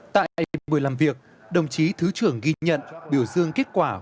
tại buổi làm việc đồng chí thứ trưởng ghi nhận biểu dương kết quả